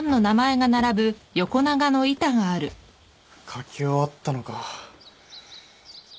書き終わったのか。